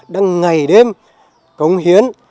đang ngày đêm cống hiến